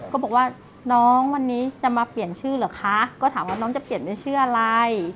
ก็บอกว่าน้องวันนี้จะมาเปลี่ยนชื่อเหรอคะก็ถามว่าน้องจะเปลี่ยนด้วยชื่ออะไร